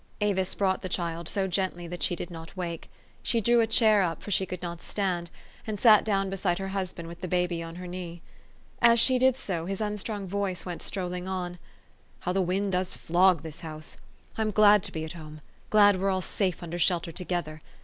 Avis brought the child, so gently that she did not wake. She drew a chair up, for she could not stand, and sat down beside her husband with the baby on her knee. As she did so, his unstrung voice went strolling on, u How the wind does flog this house ! I'm glad to be at home ; glad we're all safe under shelter to gether.